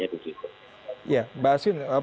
ya bahas ini pak argo saya berpikir bahwa